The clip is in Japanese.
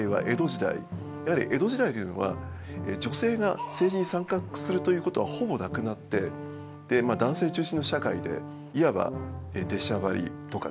やはり江戸時代というのは女性が政治に参画するということはほぼなくなってまあ男性中心の社会でいわば出しゃばりとかですね